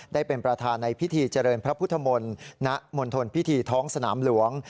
ได้เป็นประธานในพิธีเจริญพระพุทธมนตร์ณมณฑลพิธีท้องสนามหลวง